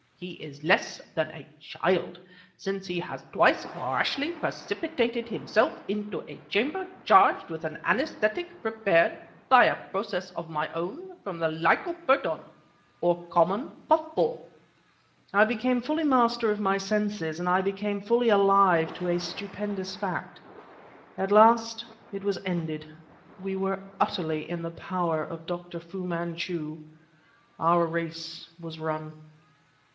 He is less than a child, since he has twice rashly precipitated himself into a chamber charged with an anesthetic prepared, by a process of my own, from the lycoperdon or Common Puff ball." I became fully master of my senses, and I became fully alive to a stupendous fact. At last it was ended; we were utterly in the power of Dr. Fu Manchu; our race was run.